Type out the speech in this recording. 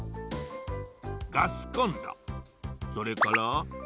ガスコンロそれからなべ。